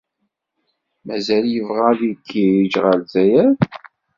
Mazal yebɣa ad igiǧǧ ɣer Lezzayer?